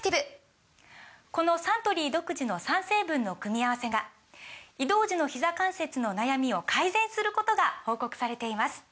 このサントリー独自の３成分の組み合わせが移動時のひざ関節の悩みを改善することが報告されています